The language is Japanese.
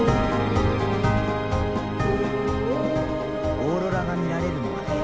オーロラが見られるのはね